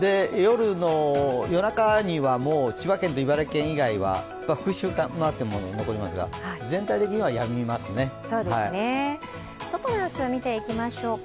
夜中には千葉県と茨城県以外は、福島辺りも残りますが、外の様子見ていきましょうか。